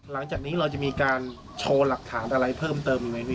หลังจากนี้เราจะมีการโชว์หลักฐานอะไรเพิ่มเติมไหมพี่